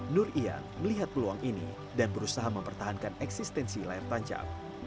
nur ian melihat peluang ini dan berusaha mempertahankan eksistensi layar tancap